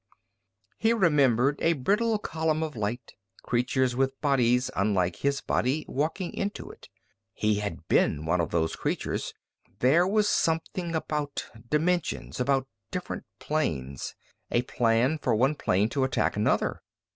He remembered a brittle column of light, creatures with bodies unlike his body, walking into it. He had been one of those creatures. There was something about dimensions, about different planes, a plan for one plane to attack another!